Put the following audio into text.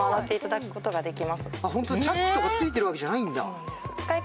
チャックとか付いてるわけじゃないんだ。